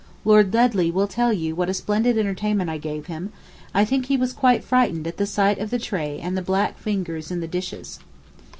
Lord Dudley will tell you what a splendid entertainment I gave him; I think he was quite frightened at the sight of the tray and the black fingers in the dishes.